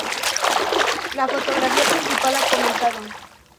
La fotografía principal ha comenzado.